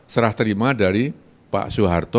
serah terima dari pak soeharto